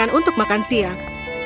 saya berhenti untuk makan siang